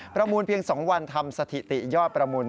ประมูลเพียง๒วันทำสถิติยอดประมูล